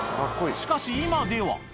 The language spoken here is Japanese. しかし、今では。